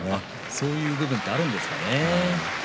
そういう部分があるんですかね。